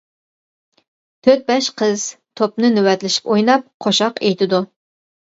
تۆت بەش قىز توپنى نۆۋەتلىشىپ ئويناپ قوشاق ئېيتىدۇ.